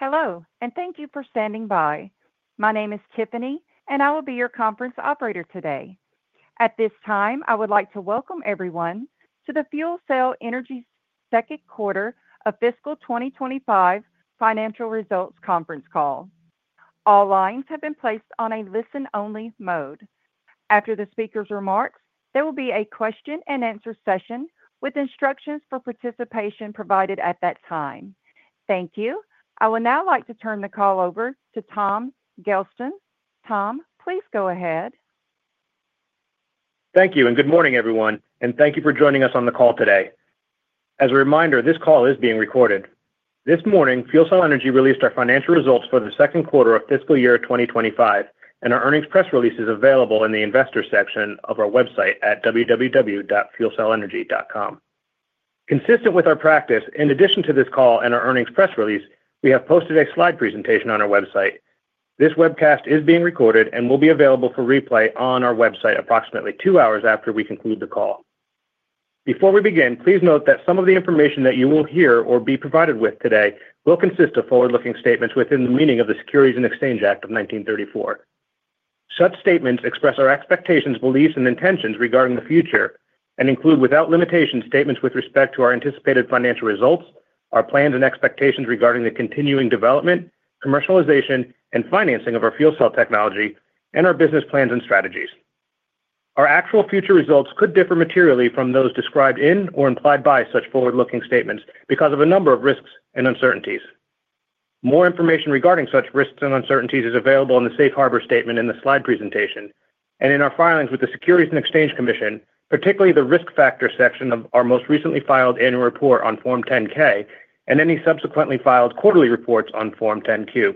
Hello, and thank you for standing by. My name is Tiffany, and I will be your conference operator today. At this time, I would like to welcome everyone to FuelCell Energy's Second Quarter of fiscal 2025 Financial Results Conference Call. All lines have been placed on a listen-only mode. After the speaker's remarks, there will be a question-and-answer session with instructions for participation provided at that time. Thank you. I would now like to turn the call over to Tom Gelston. Tom, please go ahead. Thank you, and good morning, everyone. Thank you for joining us on the call today. As a reminder, this call is being recorded. This morning, FuelCell Energy released our financial results for the second quarter of fiscal year 2025, and our earnings press release is available in the investor section of our website at www.fuelcellenergy.com. Consistent with our practice, in addition to this call and our earnings press release, we have posted a slide presentation on our website. This webcast is being recorded and will be available for replay on our website approximately two hours after we conclude the call. Before we begin, please note that some of the information that you will hear or be provided with today will consist of forward-looking statements within the meaning of the Securities and Exchange Act of 1934. Such statements express our expectations, beliefs, and intentions regarding the future and include, without limitations, statements with respect to our anticipated financial results, our plans and expectations regarding the continuing development, commercialization, and financing of our fuel cell technology, and our business plans and strategies. Our actual future results could differ materially from those described in or implied by such forward-looking statements because of a number of risks and uncertainties. More information regarding such risks and uncertainties is available in the safe harbor statement in the slide presentation and in our filings with the Securities and Exchange Commission, particularly the risk factor section of our most recently filed annual report on Form 10-K and any subsequently filed quarterly reports on Form 10-Q.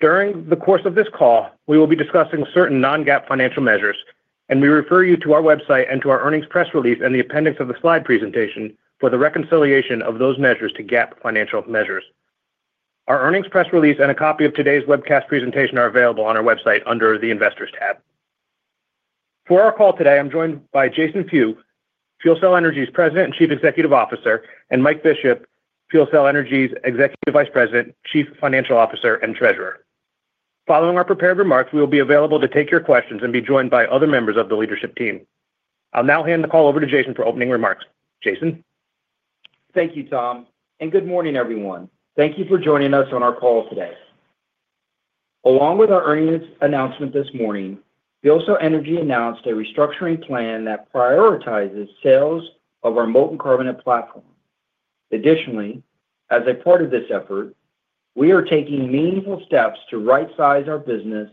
During the course of this call, we will be discussing certain non-GAAP financial measures, and we refer you to our website and to our earnings press release and the appendix of the slide presentation for the reconciliation of those measures to GAAP financial measures. Our earnings press release and a copy of today's webcast presentation are available on our website under the investors tab. For our call today, I'm joined by Jason Few, FuelCell Energy's President and Chief Executive Officer, and Mike Bishop, FuelCell Energy's Executive Vice President, Chief Financial Officer, and Treasurer. Following our prepared remarks, we will be available to take your questions and be joined by other members of the leadership team. I'll now hand the call over to Jason for opening remarks. Jason. Thank you, Tom, and good morning, everyone. Thank you for joining us on our call today. Along with our earnings announcement this morning, FuelCell Energy announced a restructuring plan that prioritizes sales of our molten carbonate platform. Additionally, as a part of this effort, we are taking meaningful steps to right-size our business,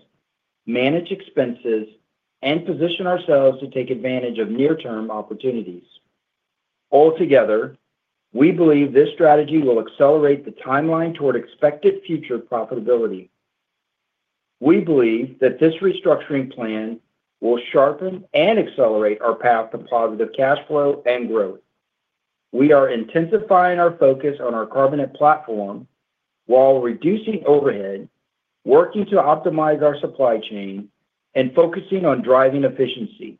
manage expenses, and position ourselves to take advantage of near-term opportunities. Altogether, we believe this strategy will accelerate the timeline toward expected future profitability. We believe that this restructuring plan will sharpen and accelerate our path to positive cash flow and growth. We are intensifying our focus on our carbonate platform while reducing overhead, working to optimize our supply chain, and focusing on driving efficiency.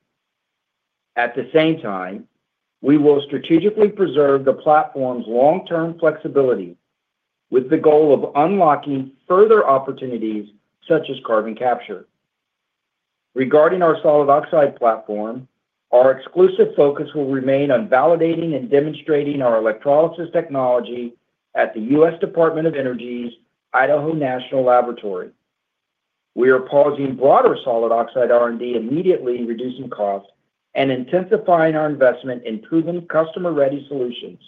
At the same time, we will strategically preserve the platform's long-term flexibility with the goal of unlocking further opportunities such as carbon capture. Regarding our solid oxide platform, our exclusive focus will remain on validating and demonstrating our electrolysis technology at the U.S. Department of Energy's Idaho National Laboratory. We are pausing broader solid oxide R&D immediately, reducing costs and intensifying our investment in proven, customer-ready solutions.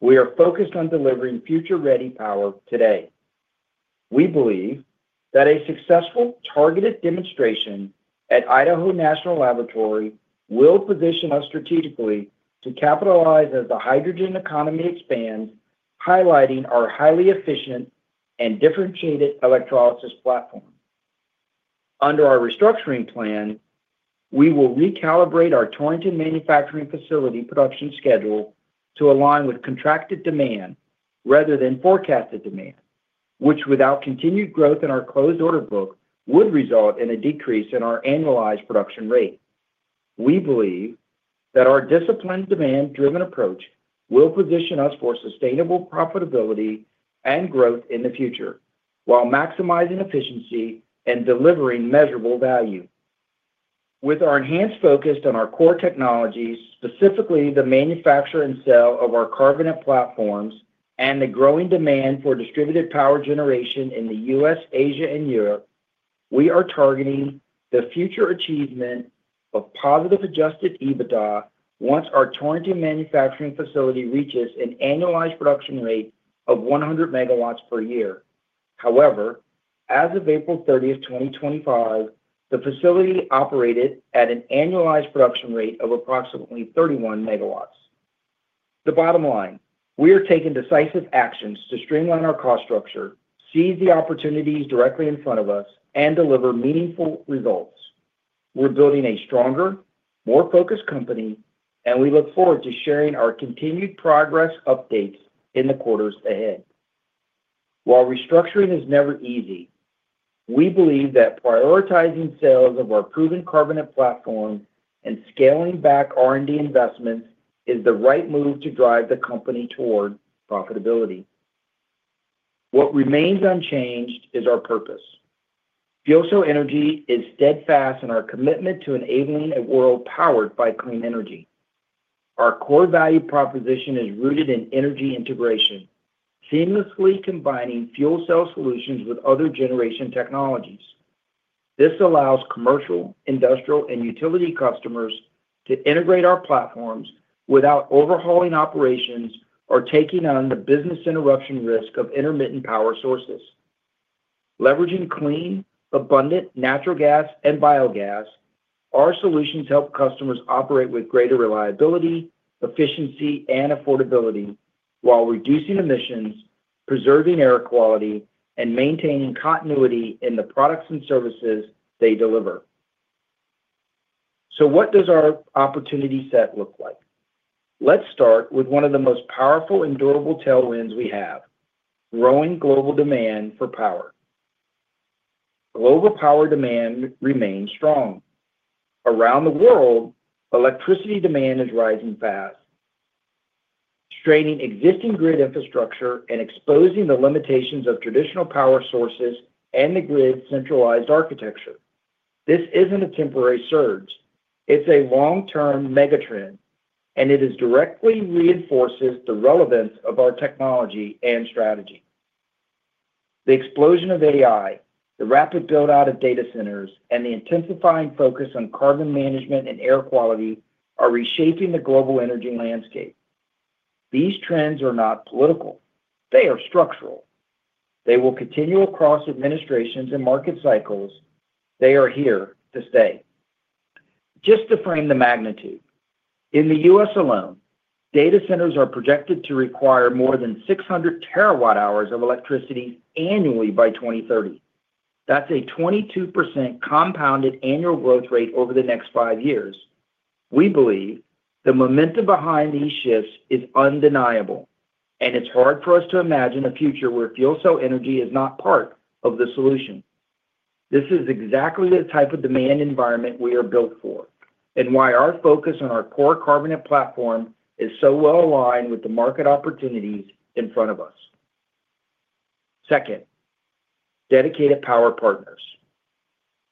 We are focused on delivering future-ready power today. We believe that a successful targeted demonstration at Idaho National Laboratory will position us strategically to capitalize as the hydrogen economy expands, highlighting our highly efficient and differentiated electrolysis platform. Under our restructuring plan, we will recalibrate our Torrington manufacturing facility production schedule to align with contracted demand rather than forecasted demand, which, without continued growth in our closed order book, would result in a decrease in our annualized production rate. We believe that our disciplined, demand-driven approach will position us for sustainable profitability and growth in the future while maximizing efficiency and delivering measurable value. With our enhanced focus on our core technologies, specifically the manufacture and sale of our carbonate platforms and the growing demand for distributed power generation in the U.S., Asia, and Europe, we are targeting the future achievement of positive adjusted EBITDA once our Torrington manufacturing facility reaches an annualized production rate of 100 MW per year. However, as of April 30th, 2025, the facility operated at an annualized production rate of approximately 31 MW. The bottom line: we are taking decisive actions to streamline our cost structure, seize the opportunities directly in front of us, and deliver meaningful results. We're building a stronger, more focused company, and we look forward to sharing our continued progress updates in the quarters ahead. While restructuring is never easy, we believe that prioritizing sales of our proven carbonate platform and scaling back R&D investments is the right move to drive the company toward profitability. What remains unchanged is our purpose. FuelCell Energy is steadfast in our commitment to enabling a world powered by clean energy. Our core value proposition is rooted in energy integration, seamlessly combining fuel cell solutions with other generation technologies. This allows commercial, industrial, and utility customers to integrate our platforms without overhauling operations or taking on the business interruption risk of intermittent power sources. Leveraging clean, abundant natural gas and biogas, our solutions help customers operate with greater reliability, efficiency, and affordability while reducing emissions, preserving air quality, and maintaining continuity in the products and services they deliver. What does our opportunity set look like? Let's start with one of the most powerful and durable tailwinds we have: growing global demand for power. Global power demand remains strong. Around the world, electricity demand is rising fast, straining existing grid infrastructure and exposing the limitations of traditional power sources and the grid's centralized architecture. This isn't a temporary surge. It's a long-term megatrend, and it directly reinforces the relevance of our technology and strategy. The explosion of AI, the rapid build-out of data centers, and the intensifying focus on carbon management and air quality are reshaping the global energy landscape. These trends are not political. They are structural. They will continue across administrations and market cycles. They are here to stay. Just to frame the magnitude, in the U.S. alone, data centers are projected to require more than 600 terawatt-hours of electricity annually by 2030. That's a 22% compounded annual growth rate over the next five years. We believe the momentum behind these shifts is undeniable, and it's hard for us to imagine a future where FuelCell Energy is not part of the solution. This is exactly the type of demand environment we are built for and why our focus on our core carbonate platform is so well aligned with the market opportunities in front of us. Second, dedicated power partners.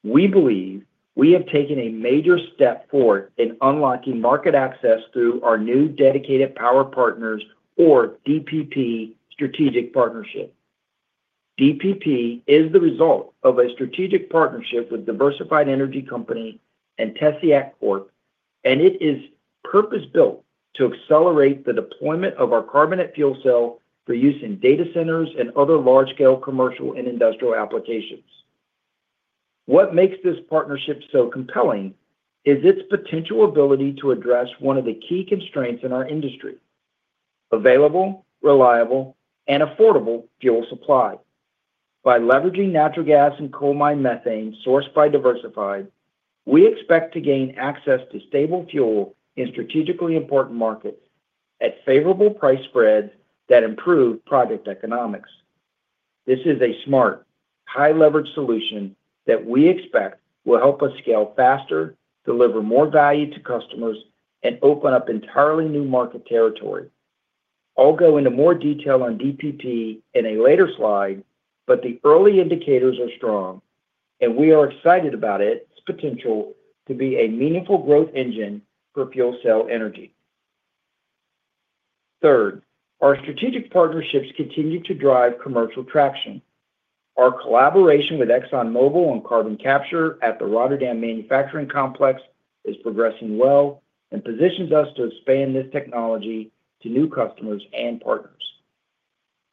We believe we have taken a major step forward in unlocking market access through our new dedicated power partners, or DPP, strategic partnership. DPP is the result of a strategic partnership with Diversified Energy Company and TESIAC, and it is purpose-built to accelerate the deployment of our carbonate fuel cell for use in data centers and other large-scale commercial and industrial applications. What makes this partnership so compelling is its potential ability to address one of the key constraints in our industry: available, reliable, and affordable fuel supply. By leveraging natural gas and coal-mined methane sourced by Diversified, we expect to gain access to stable fuel in strategically important markets at favorable price spreads that improve project economics. This is a smart, high-leverage solution that we expect will help us scale faster, deliver more value to customers, and open up entirely new market territory. I'll go into more detail on DPP in a later slide, but the early indicators are strong, and we are excited about its potential to be a meaningful growth engine for FuelCell Energy. Third, our strategic partnerships continue to drive commercial traction. Our collaboration with ExxonMobil on carbon capture at the Rotterdam manufacturing complex is progressing well and positions us to expand this technology to new customers and partners.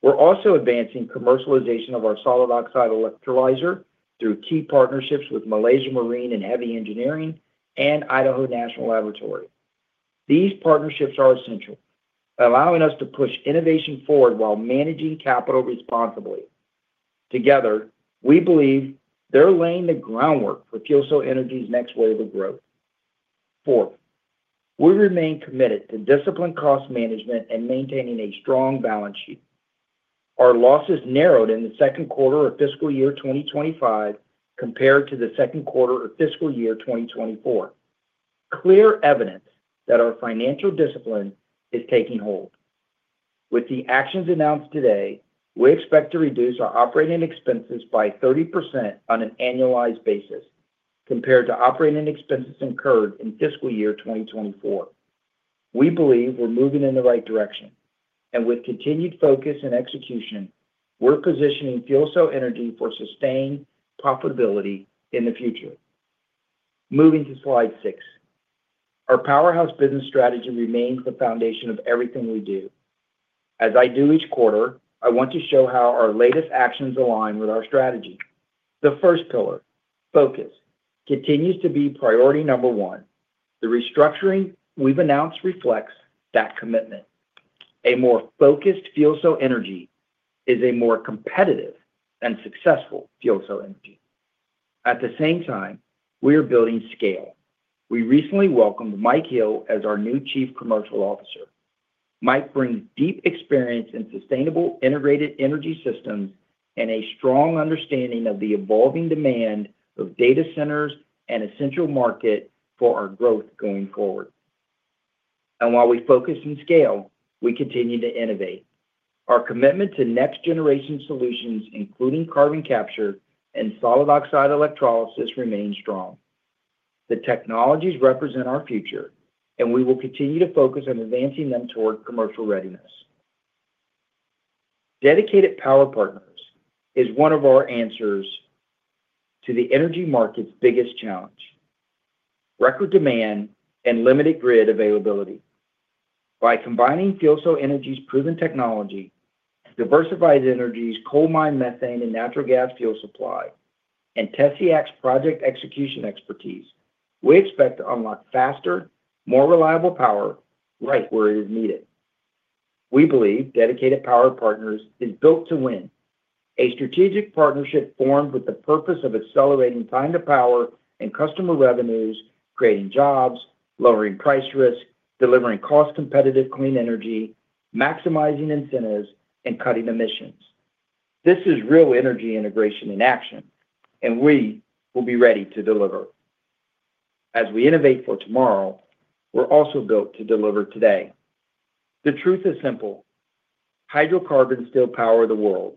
We're also advancing commercialization of our solid oxide electrolyzer through key partnerships with Malaysia Marine and Heavy Engineering and Idaho National Laboratory. These partnerships are essential, allowing us to push innovation forward while managing capital responsibly. Together, we believe they're laying the groundwork for FuelCell Energy's next wave of growth. Fourth, we remain committed to disciplined cost management and maintaining a strong balance sheet. Our losses narrowed in the second quarter of fiscal year 2025 compared to the second quarter of fiscal year 2024. Clear evidence that our financial discipline is taking hold. With the actions announced today, we expect to reduce our operating expenses by 30% on an annualized basis compared to operating expenses incurred in fiscal year 2024. We believe we're moving in the right direction, and with continued focus and execution, we're positioning FuelCell Energy for sustained profitability in the future. Moving to slide six, our powerhouse business strategy remains the foundation of everything we do. As I do each quarter, I want to show how our latest actions align with our strategy. The first pillar, focus, continues to be priority number one. The restructuring we've announced reflects that commitment. A more focused FuelCell Energy is a more competitive and successful FuelCell Energy. At the same time, we are building scale. We recently welcomed Mike Hill as our new Chief Commercial Officer. Mike brings deep experience in sustainable integrated energy systems and a strong understanding of the evolving demand of data centers and a central market for our growth going forward. While we focus on scale, we continue to innovate. Our commitment to next-generation solutions, including carbon capture and solid oxide electrolysis, remains strong. The technologies represent our future, and we will continue to focus on advancing them toward commercial readiness. Dedicated Power Partners is one of our answers to the energy market's biggest challenge: record demand and limited grid availability. By combining FuelCell Energy's proven technology, Diversified Energy's coal-mined methane and natural gas fuel supply, and TESIAC's project execution expertise, we expect to unlock faster, more reliable power right where it is needed. We believe Dedicated Power Partners is built to win. A strategic partnership formed with the purpose of accelerating time to power and customer revenues, creating jobs, lowering price risk, delivering cost-competitive clean energy, maximizing incentives, and cutting emissions. This is real energy integration in action, and we will be ready to deliver. As we innovate for tomorrow, we're also built to deliver today. The truth is simple: hydrocarbons still power the world,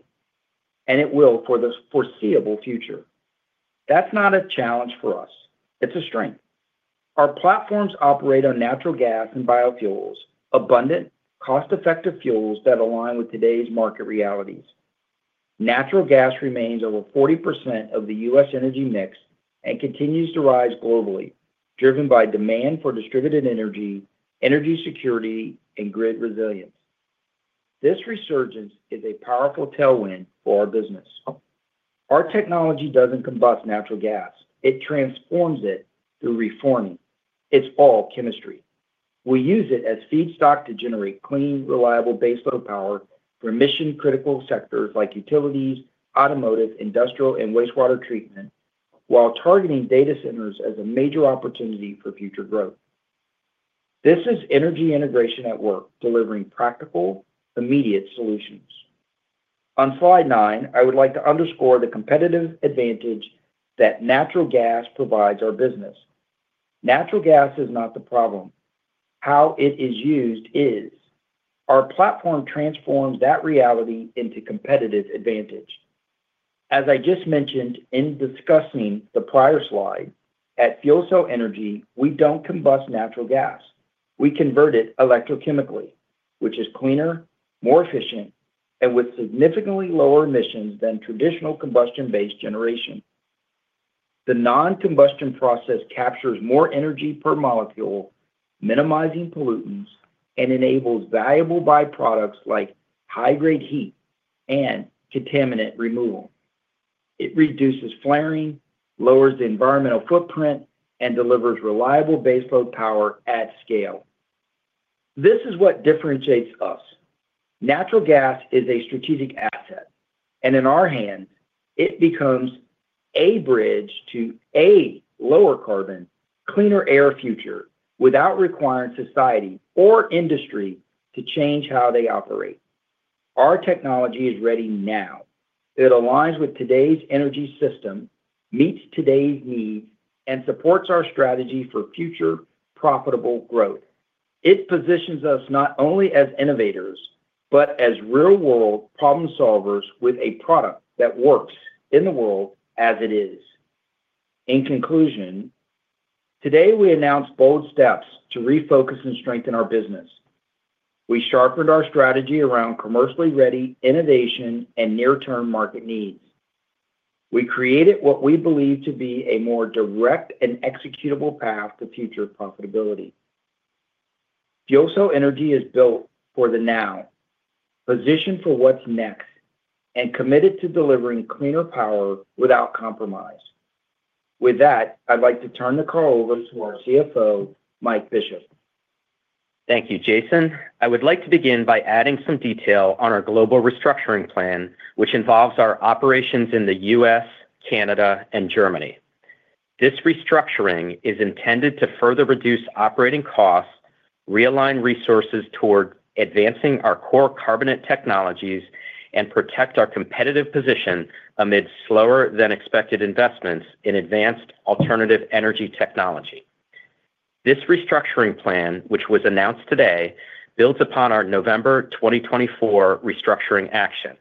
and it will for the foreseeable future. That's not a challenge for us. It's a strength. Our platforms operate on natural gas and biofuels, abundant, cost-effective fuels that align with today's market realities. Natural gas remains over 40% of the U.S. energy mix and continues to rise globally, driven by demand for distributed energy, energy security, and grid resilience. This resurgence is a powerful tailwind for our business. Our technology doesn't combust natural gas. It transforms it through reforming. It's all chemistry. We use it as feedstock to generate clean, reliable baseload power for mission-critical sectors like utilities, automotive, industrial, and wastewater treatment, while targeting data centers as a major opportunity for future growth. This is energy integration at work, delivering practical, immediate solutions. On slide nine, I would like to underscore the competitive advantage that natural gas provides our business. Natural gas is not the problem. How it is used is. Our platform transforms that reality into competitive advantage. As I just mentioned in discussing the prior slide, at FuelCell Energy, we don't combust natural gas. We convert it electrochemically, which is cleaner, more efficient, and with significantly lower emissions than traditional combustion-based generation. The non-combustion process captures more energy per molecule, minimizing pollutants, and enables valuable byproducts like high-grade heat and contaminant removal. It reduces flaring, lowers the environmental footprint, and delivers reliable baseload power at scale. This is what differentiates us. Natural gas is a strategic asset, and in our hands, it becomes a bridge to a lower carbon, cleaner air future without requiring society or industry to change how they operate. Our technology is ready now. It aligns with today's energy system, meets today's needs, and supports our strategy for future profitable growth. It positions us not only as innovators but as real-world problem solvers with a product that works in the world as it is. In conclusion, today we announced bold steps to refocus and strengthen our business. We sharpened our strategy around commercially ready innovation and near-term market needs. We created what we believe to be a more direct and executable path to future profitability. FuelCell Energy is built for the now, positioned for what's next, and committed to delivering cleaner power without compromise. With that, I'd like to turn the call over to our CFO, Mike Bishop. Thank you, Jason. I would like to begin by adding some detail on our global restructuring plan, which involves our operations in the U.S., Canada, and Germany. This restructuring is intended to further reduce operating costs, realign resources toward advancing our core carbonate technologies, and protect our competitive position amid slower-than-expected investments in advanced alternative energy technology. This restructuring plan, which was announced today, builds upon our November 2024 restructuring action.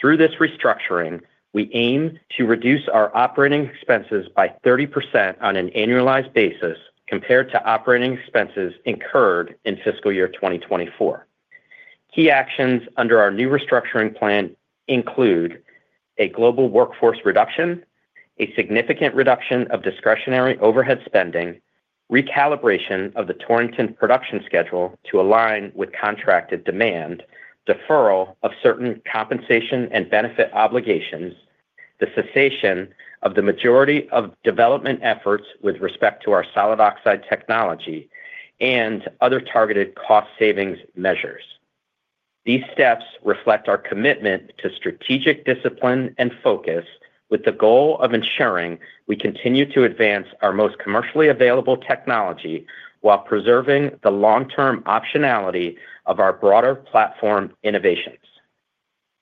Through this restructuring, we aim to reduce our operating expenses by 30% on an annualized basis compared to operating expenses incurred in fiscal year 2024. Key actions under our new restructuring plan include a global workforce reduction, a significant reduction of discretionary overhead spending, recalibration of the Torrington production schedule to align with contracted demand, deferral of certain compensation and benefit obligations, the cessation of the majority of development efforts with respect to our solid oxide technology, and other targeted cost savings measures. These steps reflect our commitment to strategic discipline and focus with the goal of ensuring we continue to advance our most commercially available technology while preserving the long-term optionality of our broader platform innovations.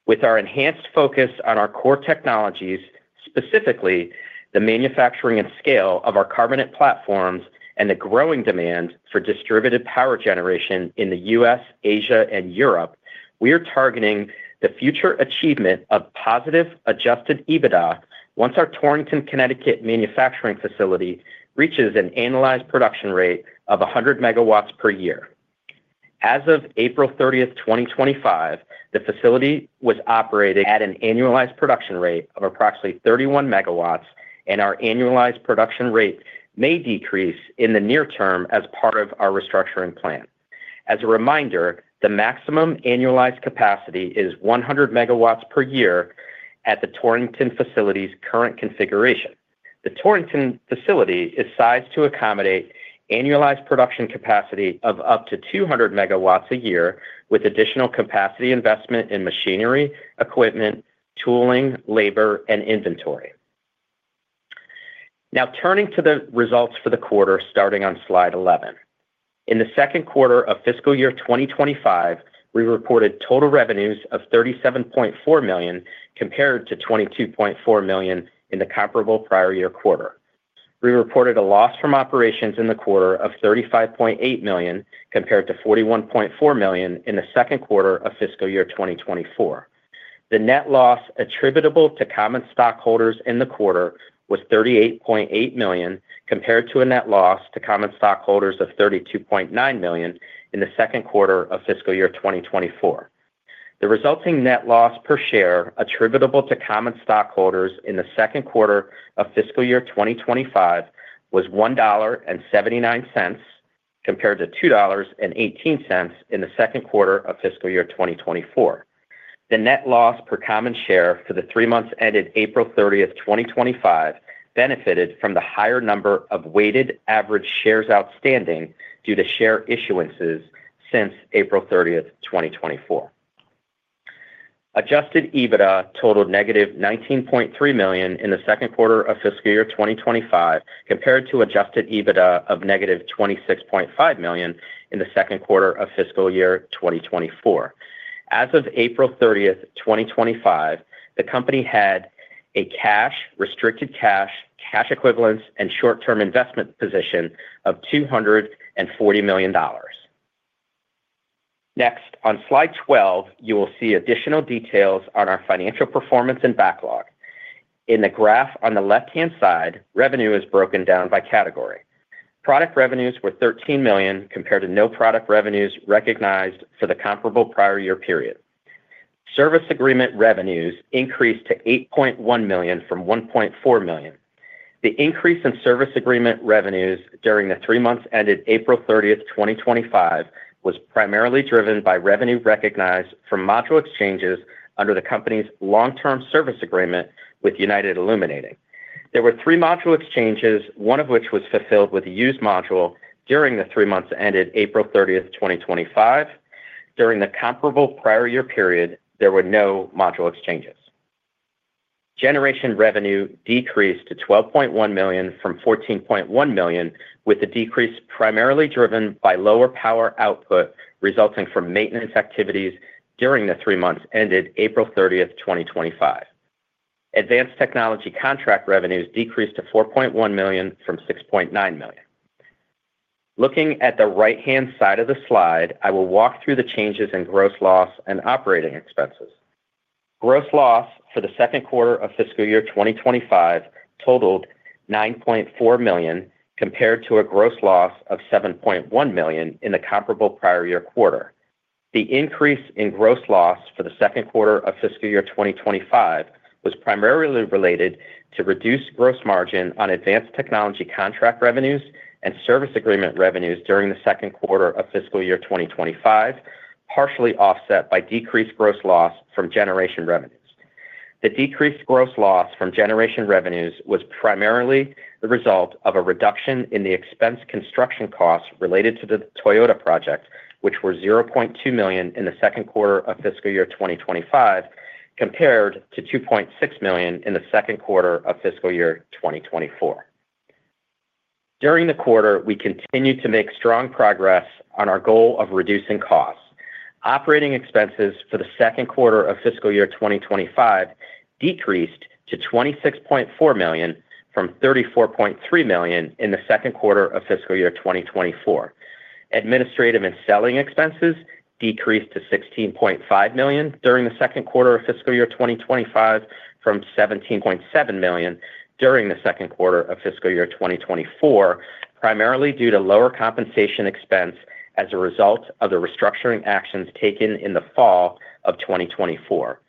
With our enhanced focus on our core technologies, specifically the manufacturing and scale of our carbonate platforms and the growing demand for distributed power generation in the U.S., Asia, and Europe, we are targeting the future achievement of positive adjusted EBITDA once our Torrington, Connecticut manufacturing facility reaches an annualized production rate of 100 MW per year. As of April 30th, 2025, the facility was operating at an annualized production rate of approximately 31 MW, and our annualized production rate may decrease in the near term as part of our restructuring plan. As a reminder, the maximum annualized capacity is 100 MW per year at the Torrington facility's current configuration. The Torrington facility is sized to accommodate annualized production capacity of up to 200 MW a year with additional capacity investment in machinery, equipment, tooling, labor, and inventory. Now, turning to the results for the quarter starting on slide 11. In the second quarter of fiscal year 2025, we reported total revenues of $37.4 million compared to $22.4 million in the comparable prior year quarter. We reported a loss from operations in the quarter of $35.8 million compared to $41.4 million in the second quarter of fiscal year 2024. The net loss attributable to common stockholders in the quarter was $38.8 million compared to a net loss to common stockholders of $32.9 million in the second quarter of fiscal year 2024. The resulting net loss per share attributable to common stockholders in the second quarter of fiscal year 2025 was $1.79 compared to $2.18 in the second quarter of fiscal year 2024. The net loss per common share for the three months ended April 30th, 2025, benefited from the higher number of weighted average shares outstanding due to share issuances since April 30th, 2024. Adjusted EBITDA totaled $-19.3 million in the second quarter of fiscal year 2025 compared to adjusted EBITDA of $-26.5 million in the second quarter of fiscal year 2024. As of April 30th, 2025, the company had a cash, restricted cash, cash equivalents, and short-term investment position of $240 million. Next, on slide 12, you will see additional details on our financial performance and backlog. In the graph on the left-hand side, revenue is broken down by category. Product revenues were $13 million compared to no product revenues recognized for the comparable prior year period. Service agreement revenues increased to $8.1 million from $1.4 million. The increase in service agreement revenues during the three months ended April 30th, 2025, was primarily driven by revenue recognized from module exchanges under the company's long-term service agreement with United Illuminating. There were three module exchanges, one of which was fulfilled with a used module during the three months ended April 30th, 2025. During the comparable prior year period, there were no module exchanges. Generation revenue decreased to $12.1 million from $14.1 million, with the decrease primarily driven by lower power output resulting from maintenance activities during the three months ended April 30th, 2025. Advanced technology contract revenues decreased to $4.1 million from $6.9 million. Looking at the right-hand side of the slide, I will walk through the changes in gross loss and operating expenses. Gross loss for the second quarter of fiscal year 2025 totaled $9.4 million compared to a gross loss of $7.1 million in the comparable prior year quarter. The increase in gross loss for the second quarter of fiscal year 2025 was primarily related to reduced gross margin on advanced technology contract revenues and service agreement revenues during the second quarter of fiscal year 2025, partially offset by decreased gross loss from generation revenues. The decreased gross loss from generation revenues was primarily the result of a reduction in the expense construction costs related to the Toyota project, which were $0.2 million in the second quarter of fiscal year 2025 compared to $2.6 million in the second quarter of fiscal year 2024. During the quarter, we continued to make strong progress on our goal of reducing costs. Operating expenses for the second quarter of fiscal year 2025 decreased to $26.4 million from $34.3 million in the second quarter of fiscal year 2024. Administrative and selling expenses decreased to $16.5 million during the second quarter of fiscal year 2025 from $17.7 million during the second quarter of fiscal year 2024, primarily due to lower compensation expense as a result of the restructuring actions taken in the fall of 2024.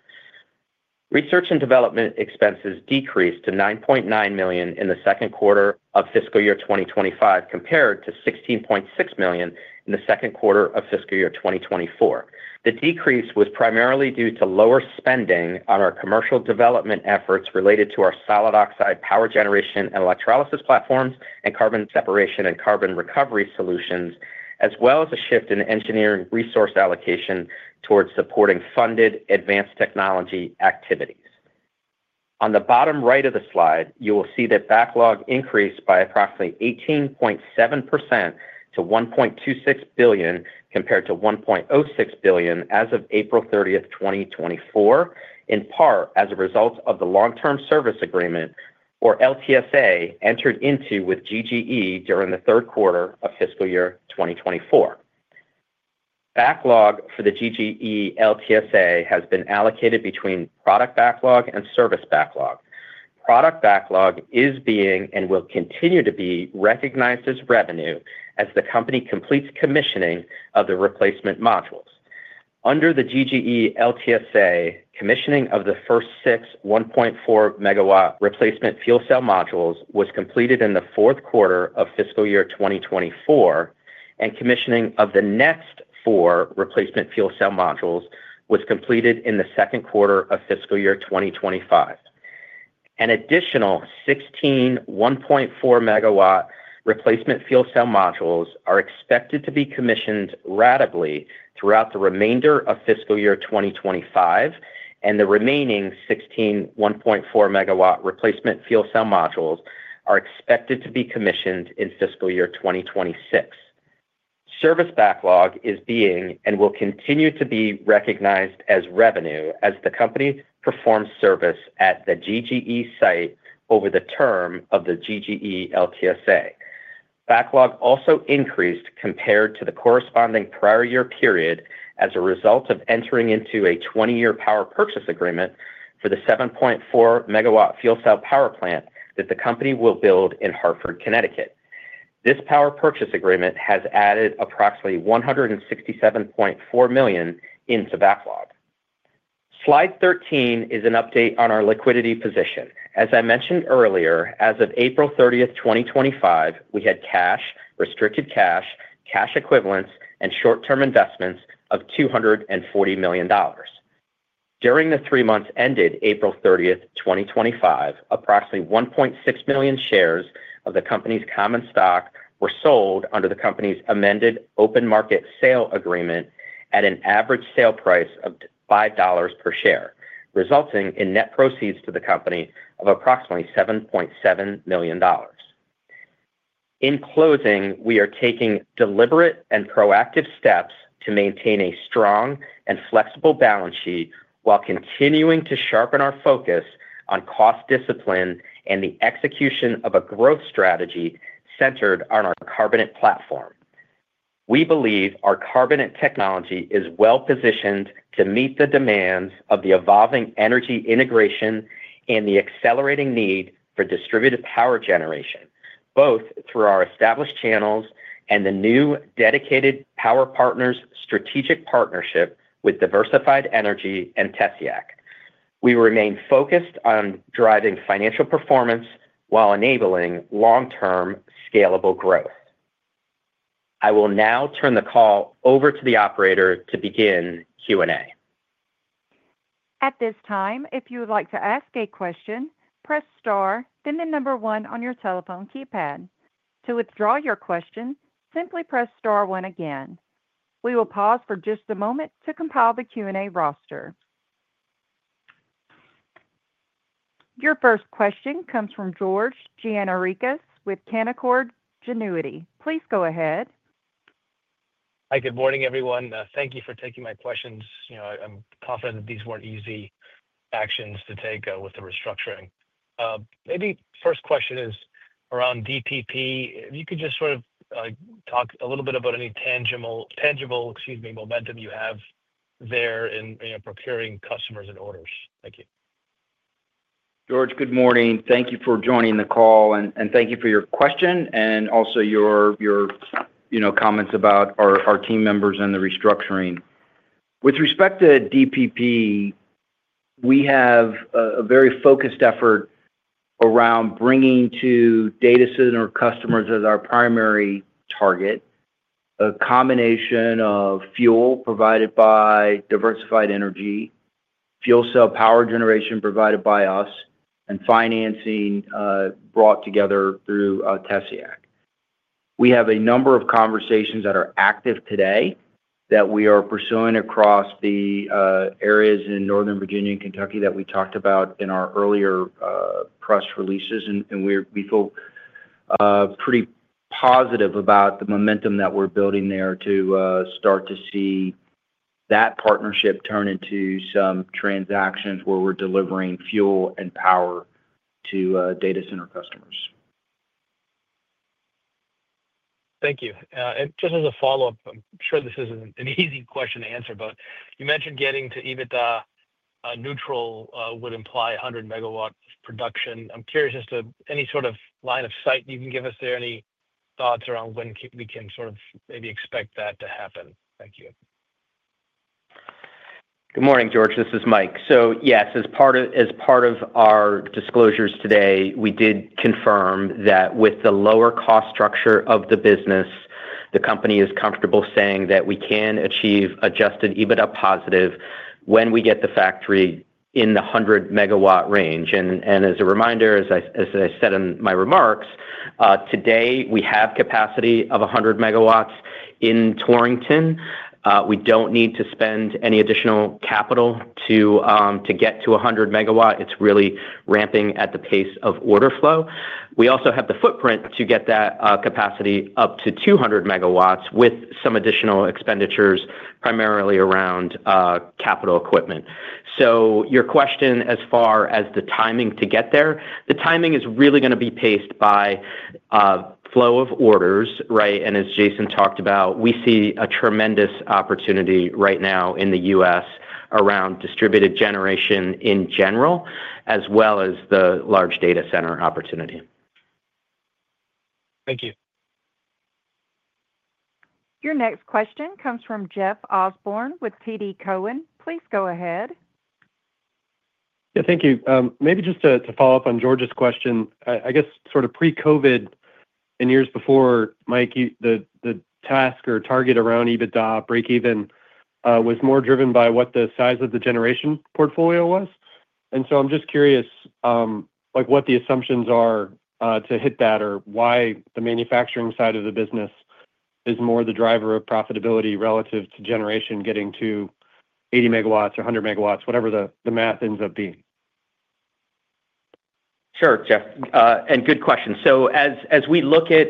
Research and development expenses decreased to $9.9 million in the second quarter of fiscal year 2025 compared to $16.6 million in the second quarter of fiscal year 2024. The decrease was primarily due to lower spending on our commercial development efforts related to our solid oxide power generation and electrolysis platforms and carbon separation and carbon recovery solutions, as well as a shift in engineering resource allocation towards supporting funded advanced technology activities. On the bottom right of the slide, you will see that backlog increased by approximately 18.7% to $1.26 billion compared to $1.06 billion as of April 30th, 2024, in part as a result of the long-term service agreement, or LTSA, entered into with GGE during the third quarter of fiscal year 2024. Backlog for the GGE LTSA has been allocated between product backlog and service backlog. Product backlog is being and will continue to be recognized as revenue as the company completes commissioning of the replacement modules. Under the GGE LTSA, commissioning of the first six 1.4 MW replacement fuel cell modules was completed in the fourth quarter of fiscal year 2024, and commissioning of the next four replacement fuel cell modules was completed in the second quarter of fiscal year 2025. An additional 16 1.4 MW replacement fuel cell modules are expected to be commissioned gradually throughout the remainder of fiscal year 2025, and the remaining 16 1.4 MW replacement fuel cell modules are expected to be commissioned in fiscal year 2026. Service backlog is being and will continue to be recognized as revenue as the company performs service at the GGE site over the term of the GGE LTSA. Backlog also increased compared to the corresponding prior year period as a result of entering into a 20-year power purchase agreement for the 7.4 MW fuel cell power plant that the company will build in Hartford, Connecticut. This power purchase agreement has added approximately $167.4 million into backlog. Slide 13 is an update on our liquidity position. As I mentioned earlier, as of April 30th, 2025, we had cash, restricted cash, cash equivalents, and short-term investments of $240 million. During the three months ended April 30th, 2025, approximately 1.6 million shares of the company's common stock were sold under the company's amended open market sale agreement at an average sale price of $5 per share, resulting in net proceeds to the company of approximately $7.7 million. In closing, we are taking deliberate and proactive steps to maintain a strong and flexible balance sheet while continuing to sharpen our focus on cost discipline and the execution of a growth strategy centered on our carbonate platform. We believe our carbonate technology is well positioned to meet the demands of the evolving energy integration and the accelerating need for distributed power generation, both through our established channels and the new Dedicated Power Partners strategic partnership with Diversified Energy and TESIAC. We remain focused on driving financial performance while enabling long-term scalable growth. I will now turn the call over to the operator to begin Q&A. At this time, if you would like to ask a question, press star, then the number one on your telephone keypad. To withdraw your question, simply press star one again. We will pause for just a moment to compile the Q&A roster. Your first question comes from George Gianarikas with Canaccord Genuity. Please go ahead. Hi, good morning, everyone. Thank you for taking my questions. I'm confident that these weren't easy actions to take with the restructuring. Maybe first question is around DPP. If you could just sort of talk a little bit about any tangible, excuse me, momentum you have there in procuring customers and orders. Thank you. George, good morning. Thank you for joining the call, and thank you for your question and also your comments about our team members and the restructuring. With respect to DPP, we have a very focused effort around bringing to data center customers as our primary target, a combination of fuel provided by Diversified Energy, fuel cell power generation provided by us, and financing brought together through TESIAC. We have a number of conversations that are active today that we are pursuing across the areas in Northern Virginia and Kentucky that we talked about in our earlier press releases, and we feel pretty positive about the momentum that we're building there to start to see that partnership turn into some transactions where we're delivering fuel and power to data center customers. Thank you. Just as a follow-up, I'm sure this is an easy question to answer, but you mentioned getting to EBITDA neutral would imply 100 MW production. I'm curious as to any sort of line of sight you can give us there, any thoughts around when we can sort of maybe expect that to happen. Thank you. Good morning, George. This is Mike. Yes, as part of our disclosures today, we did confirm that with the lower cost structure of the business, the company is comfortable saying that we can achieve adjusted EBITDA positive when we get the factory in the 100 MW range. As a reminder, as I said in my remarks, today we have capacity of 100 MW in Torrington. We do not need to spend any additional capital to get to 100 MW. It is really ramping at the pace of order flow. We also have the footprint to get that capacity up to 200 MW with some additional expenditures, primarily around capital equipment. Your question as far as the timing to get there, the timing is really going to be paced by flow of orders, right? As Jason talked about, we see a tremendous opportunity right now in the U.S. around distributed generation in general, as well as the large data center opportunity. Thank you. Your next question comes from Jeff Osborne with TD Cowen. Please go ahead. Yeah, thank you. Maybe just to follow up on George's question, I guess sort of pre-COVID and years before, Mike, the task or target around EBITDA break-even was more driven by what the size of the generation portfolio was. I am just curious what the assumptions are to hit that or why the manufacturing side of the business is more the driver of profitability relative to generation getting to 80 MW or 100 MW, whatever the math ends up being. Sure, Jeff. Good question. As we look at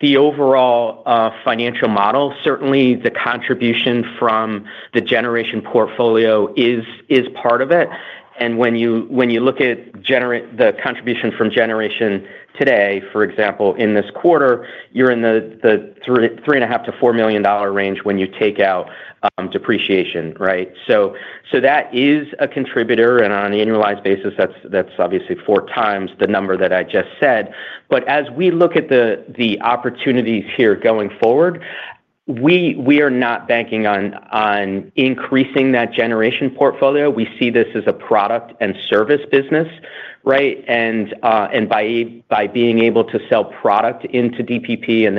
the overall financial model, certainly the contribution from the generation portfolio is part of it. When you look at the contribution from generation today, for example, in this quarter, you're in the $3.5 million-$4 million range when you take out depreciation, right? That is a contributor, and on an annualized basis, that's obviously four times the number that I just said. As we look at the opportunities here going forward, we are not banking on increasing that generation portfolio. We see this as a product and service business, right? By being able to sell product into DPP and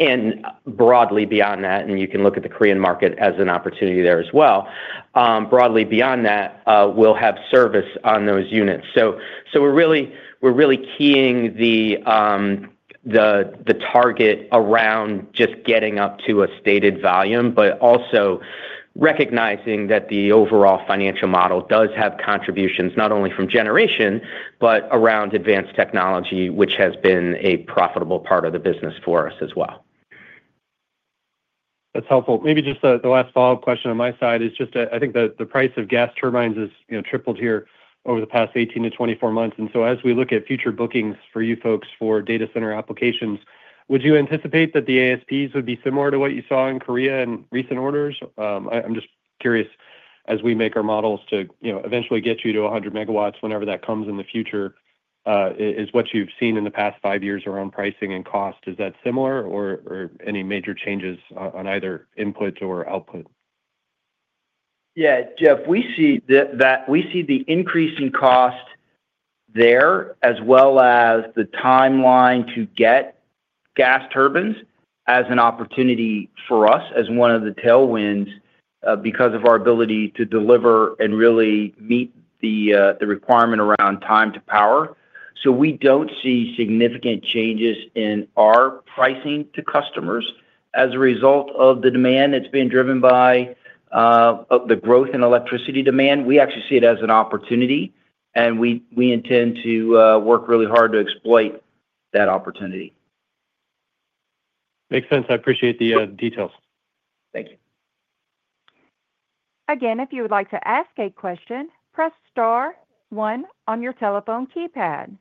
then broadly beyond that, and you can look at the Korean market as an opportunity there as well. Broadly beyond that, we'll have service on those units. We're really keying the target around just getting up to a stated volume, but also recognizing that the overall financial model does have contributions not only from generation, but around advanced technology, which has been a profitable part of the business for us as well. That's helpful. Maybe just the last follow-up question on my side is just that I think the price of gas turbines has tripled here over the past 18 to 24 months. As we look at future bookings for you folks for data center applications, would you anticipate that the ASPs would be similar to what you saw in Korea in recent orders? I'm just curious as we make our models to eventually get you to 100 MW whenever that comes in the future, is what you've seen in the past five years around pricing and cost, is that similar or any major changes on either input or output? Yeah, Jeff, we see the increasing cost there as well as the timeline to get gas turbines as an opportunity for us as one of the tailwinds because of our ability to deliver and really meet the requirement around time to power. We do not see significant changes in our pricing to customers as a result of the demand that's being driven by the growth in electricity demand. We actually see it as an opportunity, and we intend to work really hard to exploit that opportunity. Makes sense. I appreciate the details. Thank you. Again, if you would like to ask a question, press star one on your telephone keypad.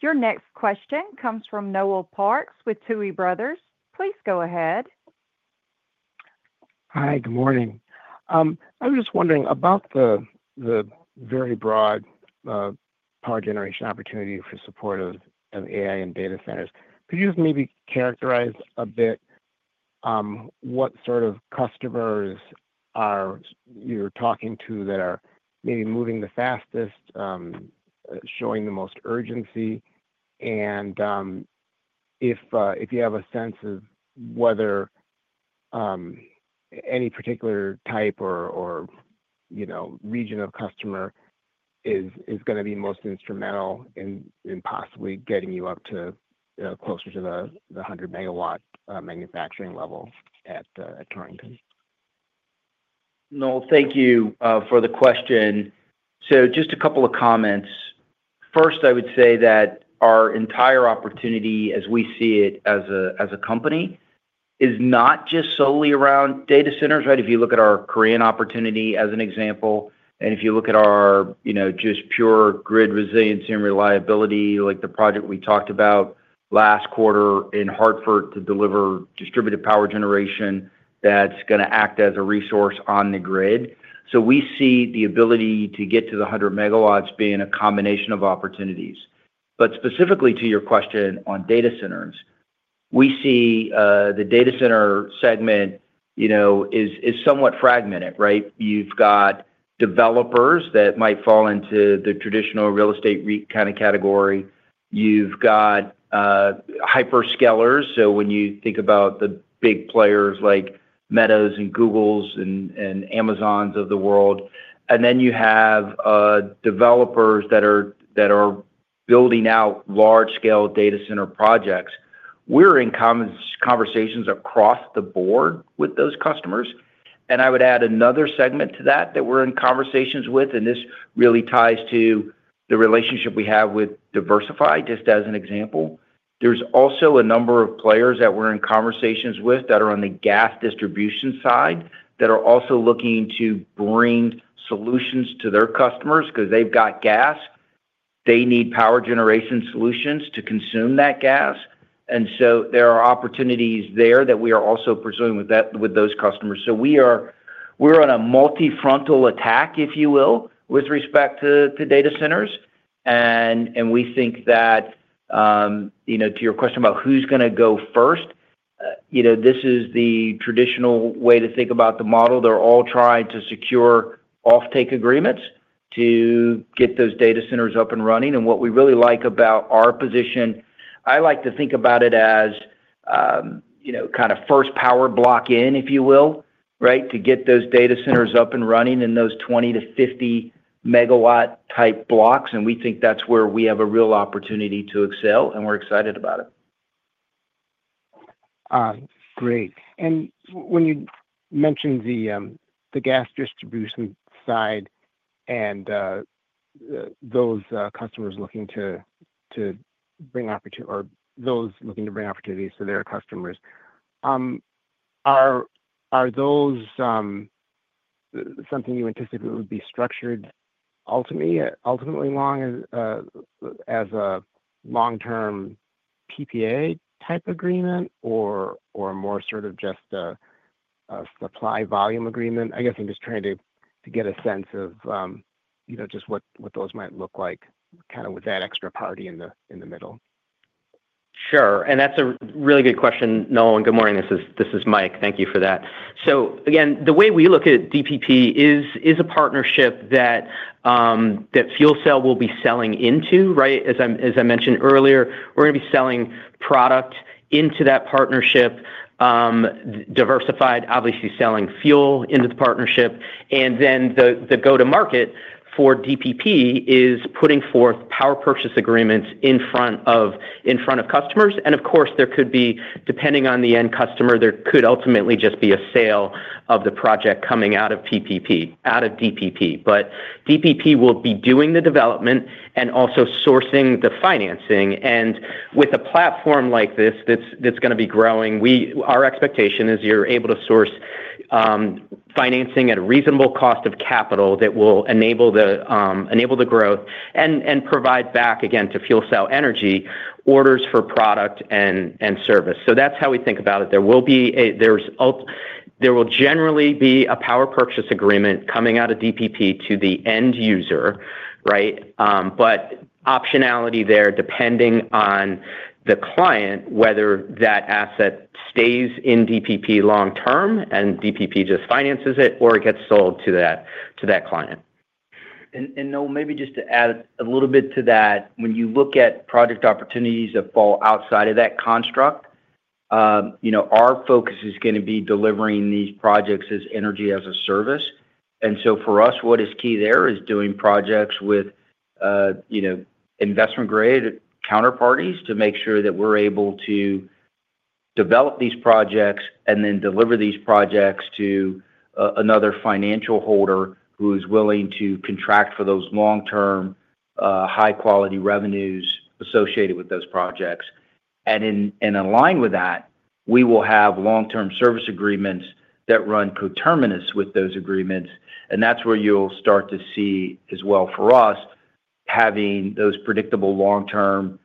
Your next question comes from Noel Parks with Tuohy Brothers. Please go ahead. Hi, good morning. I was just wondering about the very broad power generation opportunity for support of AI and data centers. Could you just maybe characterize a bit what sort of customers you're talking to that are maybe moving the fastest, showing the most urgency, and if you have a sense of whether any particular type or region of customer is going to be most instrumental in possibly getting you up to closer to the 100 MW manufacturing level at Torrington? No, thank you for the question. Just a couple of comments. First, I would say that our entire opportunity, as we see it as a company, is not just solely around data centers, right? If you look at our Korean opportunity as an example, and if you look at our just pure grid resiliency and reliability, like the project we talked about last quarter in Hartford to deliver distributed power generation that's going to act as a resource on the grid. We see the ability to get to the 100 MW being a combination of opportunities. Specifically to your question on data centers, we see the data center segment is somewhat fragmented, right? You've got developers that might fall into the traditional real estate kind of category. You've got hyperscalers. When you think about the big players like Metas and Googles and Amazons of the world, and then you have developers that are building out large-scale data center projects, we're in conversations across the board with those customers. I would add another segment to that that we're in conversations with, and this really ties to the relationship we have with Diversified Energy Company, just as an example. There's also a number of players that we're in conversations with that are on the gas distribution side that are also looking to bring solutions to their customers because they've got gas. They need power generation solutions to consume that gas. There are opportunities there that we are also pursuing with those customers. We're on a multi-frontal attack, if you will, with respect to data centers. We think that to your question about who's going to go first, this is the traditional way to think about the model. They're all trying to secure offtake agreements to get those data centers up and running. What we really like about our position, I like to think about it as kind of first power block in, if you will, right, to get those data centers up and running in those 20 MW-50 MW type blocks. We think that's where we have a real opportunity to excel, and we're excited about it. Great. When you mentioned the gas distribution side and those customers looking to bring opportunities or those looking to bring opportunities to their customers, are those something you anticipate would be structured ultimately as a long-term PPA type agreement or more sort of just a supply volume agreement? I guess I'm just trying to get a sense of just what those might look like, kind of with that extra party in the middle. Sure. That's a really good question. Noel, and good morning. This is Mike. Thank you for that. Again, the way we look at DPP is a partnership that FuelCell will be selling into, right? As I mentioned earlier, we're going to be selling product into that partnership, Diversified, obviously selling fuel into the partnership. The go-to-market for DPP is putting forth power purchase agreements in front of customers. Of course, there could be, depending on the end customer, there could ultimately just be a sale of the project coming out of DPP. DPP will be doing the development and also sourcing the financing. With a platform like this that's going to be growing, our expectation is you're able to source financing at a reasonable cost of capital that will enable the growth and provide back, again, to FuelCell Energy orders for product and service. That's how we think about it. There will generally be a power purchase agreement coming out of DPP to the end user, right? Optionality there depending on the client, whether that asset stays in DPP long-term and DPP just finances it or it gets sold to that client. Noel, maybe just to add a little bit to that, when you look at project opportunities that fall outside of that construct, our focus is going to be delivering these projects as energy as a service. For us, what is key there is doing projects with investment-grade counterparties to make sure that we're able to develop these projects and then deliver these projects to another financial holder who is willing to contract for those long-term high-quality revenues associated with those projects. In line with that, we will have long-term service agreements that run coterminous with those agreements. That is where you'll start to see as well for us having those predictable long-term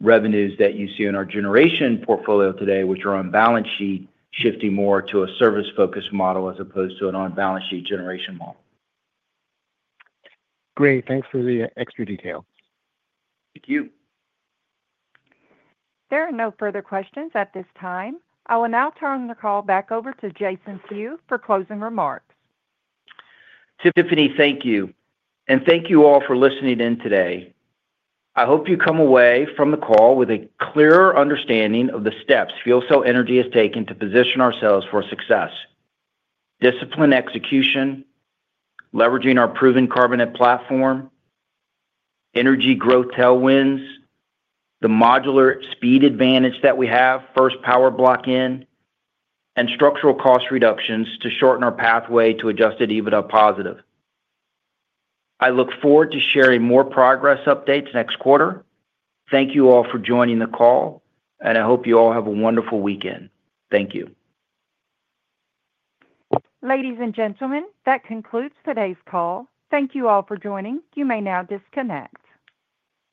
revenues that you see in our generation portfolio today, which are on balance sheet, shifting more to a service-focused model as opposed to an on-balance sheet generation model. Great. Thanks for the extra detail. Thank you. There are no further questions at this time. I will now turn the call back over to Jason Few for closing remarks. Tiffany, thank you. And thank you all for listening in today. I hope you come away from the call with a clearer understanding of the steps FuelCell Energy has taken to position ourselves for success: discipline execution, leveraging our proven carbon net platform, energy growth tailwinds, the modular speed advantage that we have, first power block in, and structural cost reductions to shorten our pathway to adjusted EBITDA positive. I look forward to sharing more progress updates next quarter. Thank you all for joining the call, and I hope you all have a wonderful weekend. Thank you. Ladies and gentlemen, that concludes today's call. Thank you all for joining. You may now disconnect.